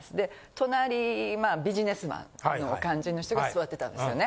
隣ビジネスマンの感じの人が座ってたんですよね。